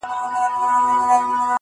پرده به خود نو، گناه خوره سي_